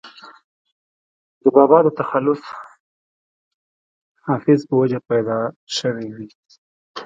دَبابا دَ تخلص “حافظ ” پۀ وجه پېدا شوې وي